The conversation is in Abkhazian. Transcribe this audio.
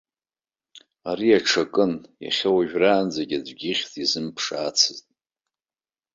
Ари аҽакын, иахьа уажәраанӡагьы аӡәгьы ахьӡ изымԥшаацызт.